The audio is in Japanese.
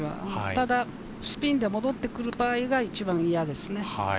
ただスピンで戻ってくる場合が一番嫌ですね。